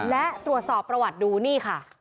และตรวจสอบประวัติดูนี่ค่ะ